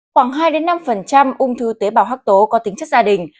khoảng hai năm ung thư tế bào hắc tố có tính chất gia đình